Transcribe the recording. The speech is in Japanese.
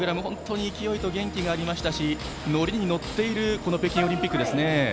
本当に勢いと元気がありましたしノリに乗っている北京オリンピックですね。